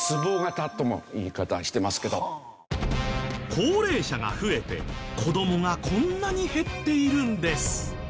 高齢者が増えて子どもがこんなに減っているんです。